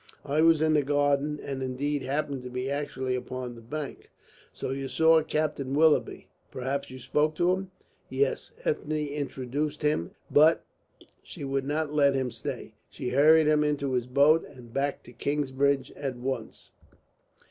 I was in the garden, and indeed happened to be actually upon the bank." "So you saw Captain Willoughby. Perhaps you spoke to him?" "Yes. Ethne introduced him, but she would not let him stay. She hurried him into his boat and back to Kingsbridge at once."